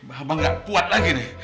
abah gak kuat lagi nih